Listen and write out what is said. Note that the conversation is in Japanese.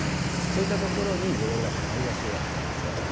そういった所に汚れがたまりやすいわけなんですよ。